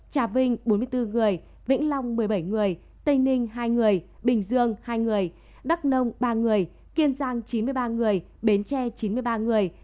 trà vinh bốn mươi bốn người vĩnh long một mươi bảy người tây ninh hai người bình dương hai người đắk nông ba người kiên giang chín mươi ba người bến tre chín mươi ba người